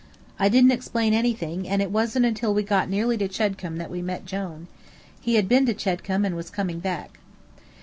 I didn't explain anything, and it wasn't until we got nearly to Chedcombe that we met Jone. He had been to Chedcombe, and was coming back.